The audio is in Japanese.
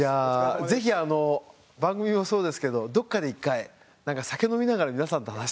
ぜひあの番組もそうですけどどっかで１回酒飲みながら皆さんと話してみたいです。